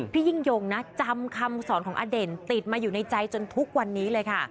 พี่ยิ่งยงนะจำคำสอนของอเด่นติดมาอยู่ในใจจนทุกวันนี้เลยค่ะ